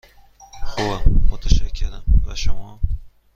خوبم، متشکرم، و شما؟